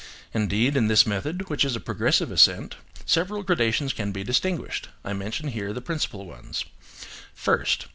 Indeed, in this method, which is a progressive ascent, several gradations can be distinguished: I mention here the principal ones: First.